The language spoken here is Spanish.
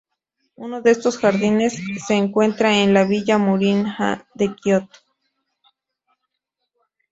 Uno de estos jardines se encuentra en la villa Murin-an de Kioto.